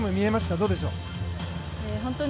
どうでしょう？